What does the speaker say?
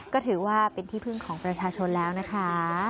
ก็ถือว่าเป็นที่พึ่งของประชาชนแล้วนะคะ